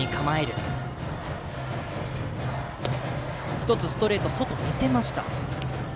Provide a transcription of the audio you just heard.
１つストレート外を見せました。